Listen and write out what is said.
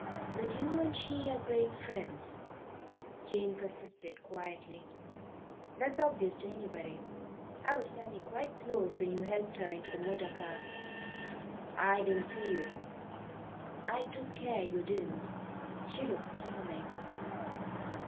"But you and she are great friends," Jane persisted quietly. "That's obvious to anybody. I was standing quite close when you helped her into the motor car." "I didn't see you." "I took care you didn't. She looks charming."